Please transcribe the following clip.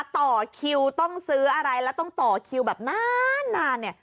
ต่อคิวต้องซื้ออะไรแล้วต้องต่อคิวแบบนานเนี่ย